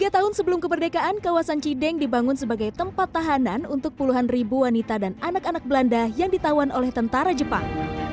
tiga tahun sebelum kemerdekaan kawasan cideng dibangun sebagai tempat tahanan untuk puluhan ribu wanita dan anak anak belanda yang ditawan oleh tentara jepang